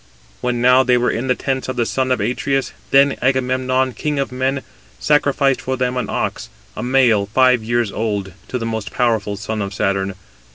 When now they were in the tents of the son of Atreus, then Agamemnon, king of men, sacrificed for them an ox, a male, five years old, to the most powerful son of Saturn.